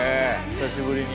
久しぶりに。